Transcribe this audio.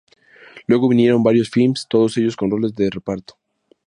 Luego vinieron varios films todos ellos con roles de reparto.